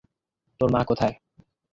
তোর মা কোথায়?